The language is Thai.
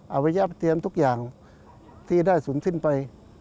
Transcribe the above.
เอาไว้มาเตรียมทุกอย่างที่ได้สูญชิ้นไป